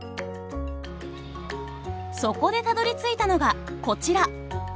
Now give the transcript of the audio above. そこでたどりついたのがこちら。